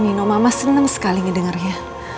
terima kasih nino mama seneng sekali ngedenger ya